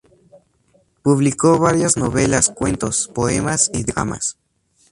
Publicó varias novelas, cuentos, poemas y dramas.